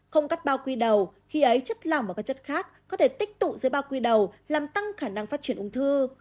không cắt bao quy đầu khi ấy chất lỏng ở các chất khác có thể tích tụ dưới bao quy đầu làm tăng khả năng phát triển ung thư